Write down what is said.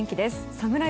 サムライ